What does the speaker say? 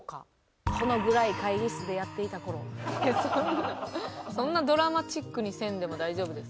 いやそんなそんなドラマチックにせんでも大丈夫です。